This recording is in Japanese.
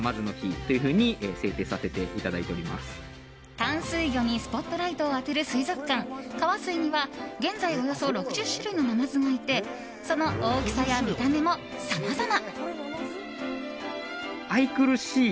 淡水魚にスポットライトを当てる水族館、カワスイには現在およそ６０種類のナマズがいてその大きさや見た目もさまざま。